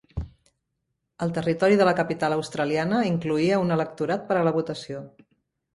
El territori de la capital australiana incloïa un electorat per a la votació.